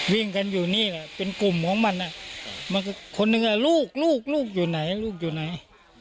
วิ่งกันอยู่นี่แหละเป็นกลุ่มของมันคนหนึ่งลูกลูกอยู่ไหนลูกอยู่ไหน